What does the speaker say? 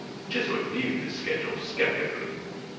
Chiswick viewed the schedule skeptically.